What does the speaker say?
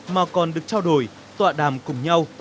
mà còn được trao đổi tọa đàm cùng nhau